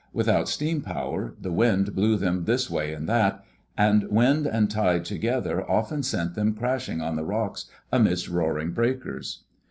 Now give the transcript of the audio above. Without steam power, the wind blew them this way and that; and wind and tide together often sent them crashing on the rocks amidst roaring breakers.